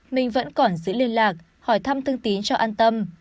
mình vẫn còn giữ liên lạc hỏi thăm thương tín cho an tâm